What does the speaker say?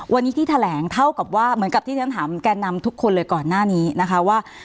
วันนี้ที่แถลงเท่ากับว่าเหมือนกับที่ฉันถามแก่นำทุกคนเลยก่อนหน้านี้นะคะว่า